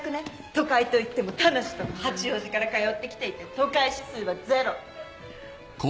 都会といっても田無とか八王子から通ってきていて都会指数はゼロ。